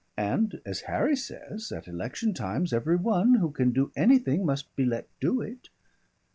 And as Harry says, at election times every one who can do anything must be let do it.